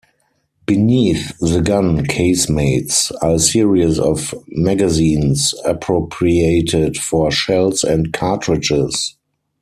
Beneath the gun casemates are a series of magazines appropriated for shells and cartridges.